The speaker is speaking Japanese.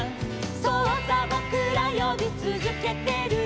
「そうさ僕ら呼び続けてる」